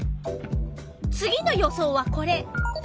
次の予想はこれ。